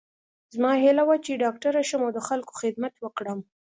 زما هیله وه چې ډاکټره شم او د خلکو خدمت وکړم